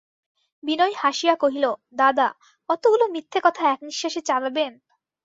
বিনয় হাসিয়া কহিল, দাদা, অতগুলো মিথ্যে কথা এক নিশ্বাসে চালাবেন?